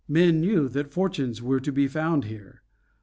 Men knew that fortunes were to be found here.